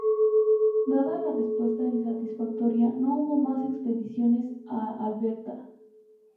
Dada la respuesta insatisfactoria, no hubo más expediciones a Alberta.